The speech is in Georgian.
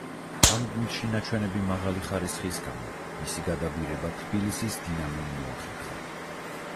ამ გუნდში ნაჩვენები მაღალი ხარისხის გამო მისი გადაბირება თბილისის „დინამომ“ მოახერხა.